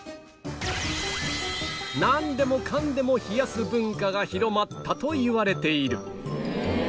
なんでもかんでも冷やす文化が広まったといわれている